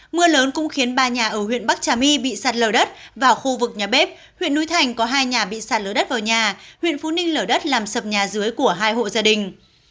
mưa lớn cũng khiến ba nhà ở huyện bắc trà my bị sạt lở đất vào khu vực nhà bếp huyện núi thành có hai nhà bị sạt lở đất vào nhà huyện phú ninh lở đất làm sập nhà dưới của hai hộ gia đình